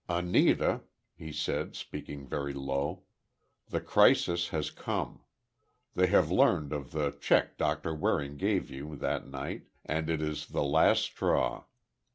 "Anita," he said, speaking very low, "the crisis has come. They have learned of the check Doctor Waring gave you that night, and it is the last straw.